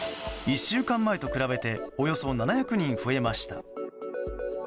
１週間前と比べておよそ７００人増えました。